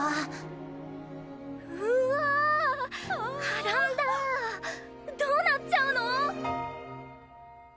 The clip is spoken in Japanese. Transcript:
波乱だどうなっちゃうの？